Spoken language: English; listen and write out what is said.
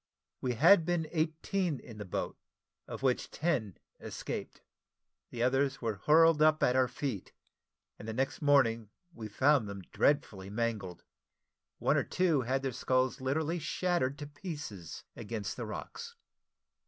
We had been eighteen in the boat, of which ten escaped: the others were hurled up at our feet; and the next morning we found them dreadfully mangled. One or two had their skulls literally shattered to pieces against the rocks.